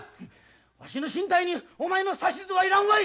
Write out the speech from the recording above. わしの進退にお前の指図はいらんわい！